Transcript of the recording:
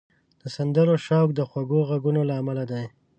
د سندرو شوق د خوږو غږونو له امله دی